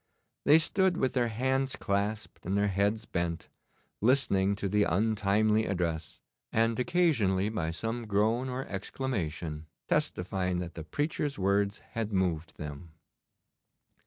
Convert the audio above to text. They stood with their hands clasped and their heads bent, listening to the untimely address, and occasionally by some groan or exclamation testifying that the preacher's words had moved them.